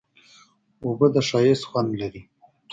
اوبه د ښایست خوند لري.